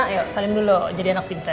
ayo salim dulu jadi anak pinter